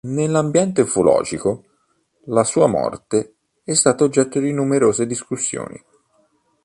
Nell'ambiente ufologico, la sua morte è stata oggetto di numerose discussioni.